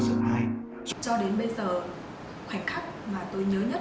cho đến bây giờ khoảnh khắc mà tôi nhớ nhất